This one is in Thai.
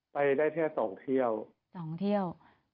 ไปได้เที่ยว๒เที่ยว